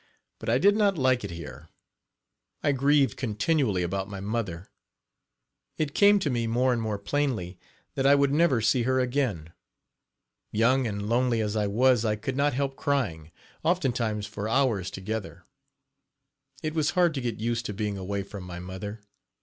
But I did not like it here. I grieved continually about my mother. It came to me, more and more plainly, that I would never see her again. Young and lonely as I was, I could not help crying, oftentimes for hours together. It was hard to get used to being away from my mother.